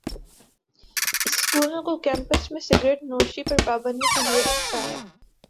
سکولوں کو کیمپس میں سگرٹنوشی پر پابندی کے لیے اکسایا